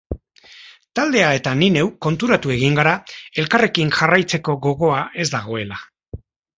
Taldea eta ni neu konturatu egin gara elkarrekin jarraitzeko gogoa ez dagoela.